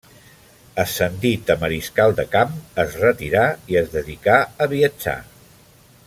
Ascendit a mariscal de camp, es retirà i es dedicà a viatjar.